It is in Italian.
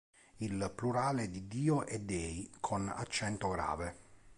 Il plurale di "dio" è "dèi", con accento grave.